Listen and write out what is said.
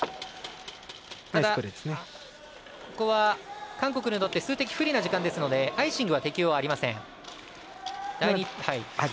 ただ、ここは韓国にとっては数的不利な時間ですのでアイシングの適用はありません。